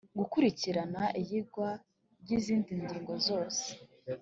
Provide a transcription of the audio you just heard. gukurikirana iyigwa ry izindi ngingo zose